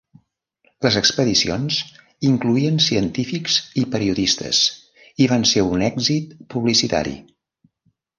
Les expedicions incloïen científics i periodistes, i van ser un èxit publicitari.